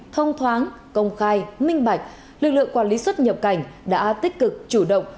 thông thoáng công khai minh bạch lực lượng quản lý xuất nhập cảnh đã tích cực chủ động